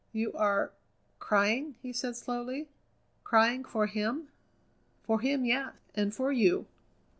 "You are crying?" he said slowly; "crying for him?" "For him, yes, and for you!"